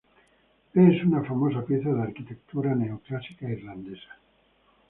Es una famosa pieza de arquitectura neoclásica irlandesa.